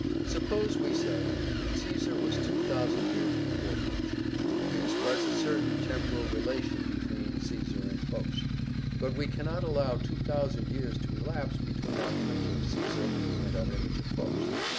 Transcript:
Suppose we say "Caesar was 2,000 years before Foch," we express a certain temporal relation between Caesar and Foch; but we cannot allow 2,000 years to elapse between our image of Caesar and our image of Foch.